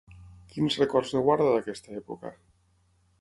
Quins records en guarda d'aquesta època?